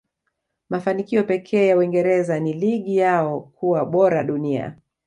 mafanikio pekee ya uingereza ni ligi yao kuwa bora dunia